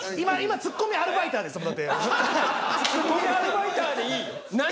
ツッコミアルバイターでいいよ。